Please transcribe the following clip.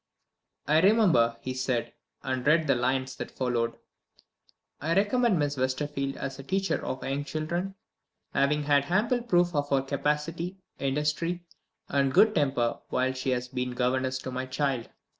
"I remember," he said and read the lines that followed: "I recommend Miss Westerfield as a teacher of young children, having had ample proof of her capacity, industry, and good temper while she has been governess to my child.